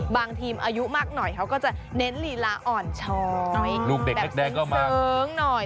บางทีมอายุมากหน่อยเขาจะเน้นลีลาอ่อนช้อย